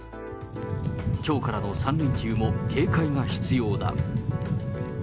きょうからの３連休も警戒が必要だ。